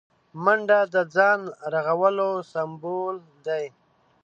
منډه د ځان رغولو سمبول دی